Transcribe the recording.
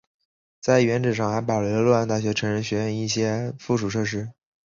在原址上还保留了洛阳大学成人学院等一些附属设施。